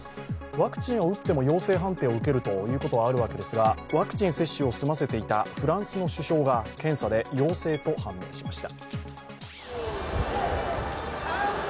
ワクチンを打っても陽性判定を受けるということはあるんですがワクチン接種を済ませていたフランスの首相が検査で陽性と判明しました。